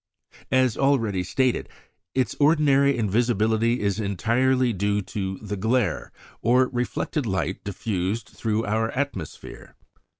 As already stated, its ordinary invisibility is entirely due to the "glare" or reflected light diffused through our atmosphere.